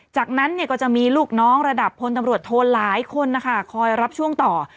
จากนั้นก็จะมีลูกน้องระดับพลตำรวจโทนหลายคนนะคะคอยรับช่วงต่อ